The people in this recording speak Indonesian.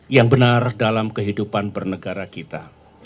yang benar dalam kehidupan bernegara kita